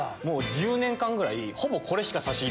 １０年間ぐらい。